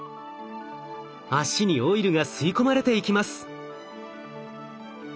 脚にオイルが吸い込まれていきます。